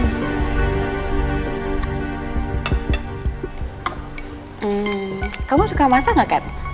hmm kamu suka masak gak kat